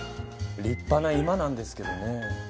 立派な居間なんですけどね。